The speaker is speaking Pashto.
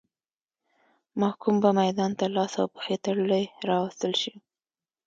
محکوم به میدان ته لاس او پښې تړلی راوستل شو.